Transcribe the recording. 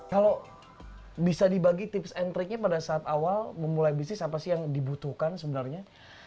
kalau bisa dibagi tips and tricknya pada saat awal memulai bisnis apa sih yang dibutuhkan sebenarnya